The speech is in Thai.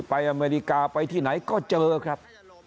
อเมริกาไปที่ไหนก็เจอครับ